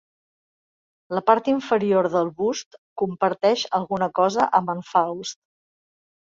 La part inferior del bust comparteix alguna cosa amb en Faust.